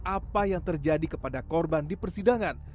apa yang terjadi kepada korban di persidangan